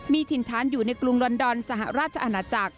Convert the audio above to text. มีถิ่นฐานอยู่ในกรุงลอนดอนสหราชอาณาจักร